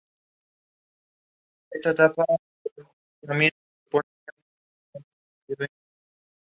Interpretó el papel del villano Tattoo en "Elektra".